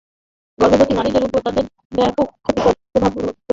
গর্ভবতী নারীদের উপর তামাকের ব্যাপক ক্ষতিকর প্রভাব রয়েছে।